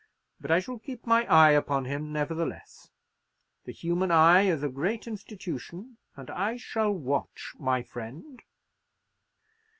But I shall keep my eye upon him, nevertheless. The human eye is a great institution; and I shall watch my friend."